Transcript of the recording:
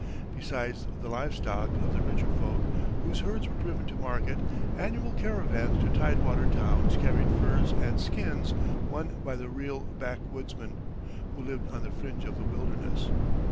Besides the live stock of the richer folk, whose herds were driven to market, annual caravans to tidewater towns carried furs and skins won by the real backwoodsmen, who lived on the fringe of the wilderness.